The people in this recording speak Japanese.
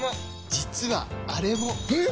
実はあれも！え！？